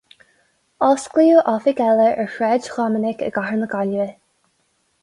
Osclaíodh oifig eile ar Shráid Dhoiminic i gcathair na Gaillimhe.